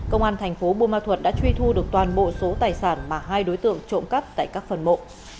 công an thành phố buôn ma thuật đã truy thu được toàn bộ số tài sản mà hai đối tượng trộm cắp tại các phần mộ